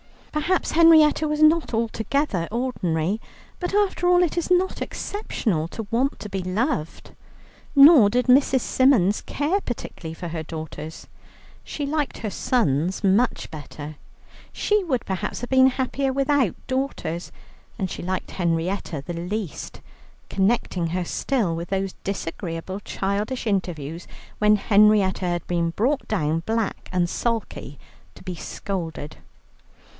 Perhaps Henrietta was not altogether ordinary, but after all it is not exceptional to want to be loved. Nor did Mrs. Symons care particularly for her daughters; she liked her sons much better, she would perhaps have been happier without daughters; and she liked Henrietta the least, connecting her still with those disagreeable childish interviews when Henrietta had been brought down, black and sulky, to be scolded.